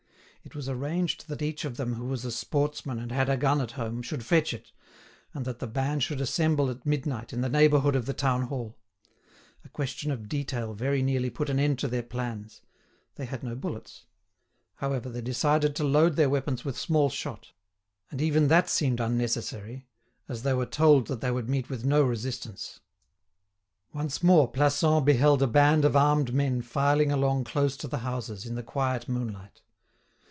It was arranged that each of them who was a sportsman and had a gun at home should fetch it, and that the band should assemble at midnight in the neighbourhood of the town hall. A question of detail very nearly put an end to their plans—they had no bullets; however, they decided to load their weapons with small shot: and even that seemed unnecessary, as they were told that they would meet with no resistance. Once more Plassans beheld a band of armed men filing along close to the houses, in the quiet moonlight.